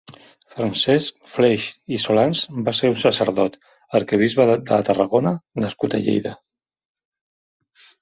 Francesc Fleix i Solans va ser un sacerdot, arquebisbe de Tarragona nascut a Lleida.